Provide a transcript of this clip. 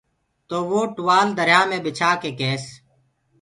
تو وو ٽوآل دريآ مي ٻِڇآ ڪي ڪيس۔